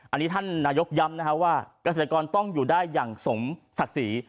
อันนี้ท่านนายกย้ำนะครับว่าเกษตรกรต้องอยู่ได้อย่างสมศักดิ์ศรี